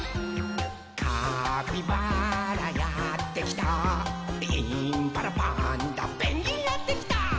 「カピバラやってきたインパラパンダペンギンやってきた」